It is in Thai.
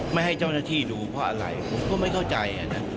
ไม่ให้เจ้าหน้าที่ดูเพราะอะไรผมก็ไม่เข้าใจนะ